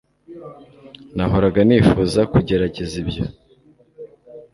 nahoraga nifuza kugerageza ibyo